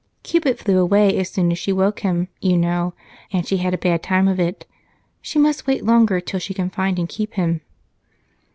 "Cupid fled away as soon as she woke him, you know, and she had a bad time of it. She must wait longer till she can find and keep him."